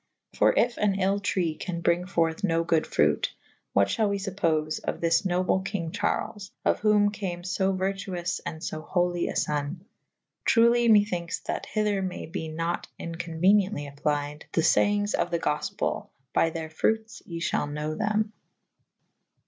For yf an yll tre can brynge furthe no good fruite / what fhal we fuppofe of this noble kynge Charles / of whom cam fo vertuoufe and fo holy a fon ? Truely methynkethe that hyther may be nat inco« uenie«tly applied the faye«g« of the gofpel / by theyr fruits you fhal knowe thew.